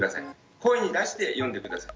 声に出して読んで下さい。